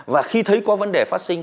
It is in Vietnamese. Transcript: và khi thấy có vấn đề phát sinh